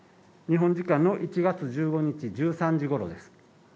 日本時間の１月１５日１３時頃です。